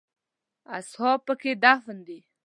اصحاب په کې دفن دي.